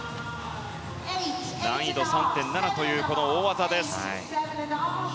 難易度３．７という大技です。